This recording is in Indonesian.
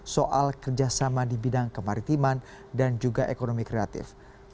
soal kerjasama di bidang kemaritiman dan juga ekonomi kreatif